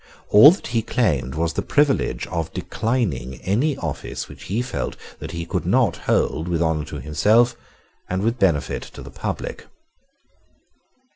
All that he claimed was the privilege of declining any office which he felt that he could not hold with honour to himself and with benefit to the public.